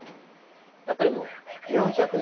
やっぱり、もう４００年